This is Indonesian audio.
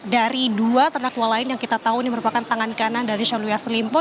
dari dua terdakwa lain yang kita tahu ini merupakan tangan kanan dari syahrul yassin limpo